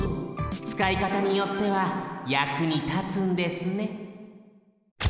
つかいかたによってはやくにたつんですね